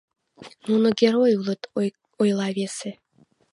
— Нуно герой улыт, — ойла весе.